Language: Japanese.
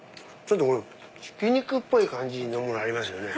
ひき肉っぽい感じのものありますよね。